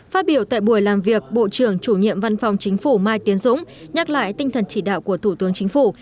phát biểu tại buổi làm việc bộ trưởng chủ nhiệm văn phòng chính phủ mai tiến dũng nhắc lại tinh thần chỉ đạo của thủ tướng chính phủ